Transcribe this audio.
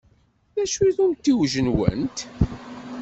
D acu-t umtiweg-nwent?